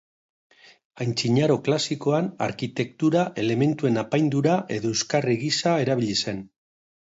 Antzinaro klasikoan, arkitektura elementuen apaindura edo euskarri gisa erabili zen.